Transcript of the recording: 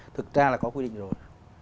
thực ra là có quy định rồi